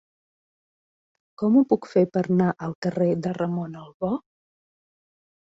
Com ho puc fer per anar al carrer de Ramon Albó?